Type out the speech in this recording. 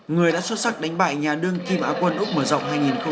người đã xuất sắc đánh bại nhà đường kim áo quần úc mở rộng hai nghìn một mươi bảy